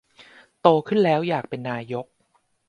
โตขึ้นแล้วอยากเป็นนายก